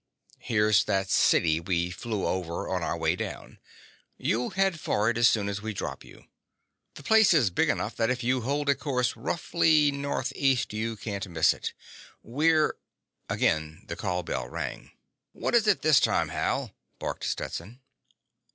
Here's that city we flew over on our way down. You'll head for it as soon as we drop you. The place is big enough that if you hold a course roughly northeast you can't miss it. We're—" Again the call bell rang. "What is it this time, Hal?" barked Stetson.